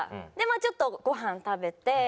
ちょっとご飯食べて。